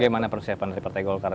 bagaimana persiapan dari partai golkar